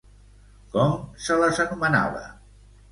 Com se les anomenava?